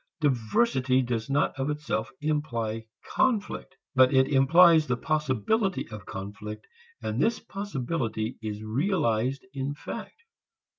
Diversity does not of itself imply conflict, but it implies the possibility of conflict, and this possibility is realized in fact.